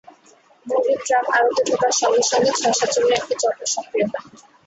মুরগির ট্রাক আড়তে ঢোকার সঙ্গে সঙ্গে ছয়-সাতজনের একটি চক্র সক্রিয় হয়।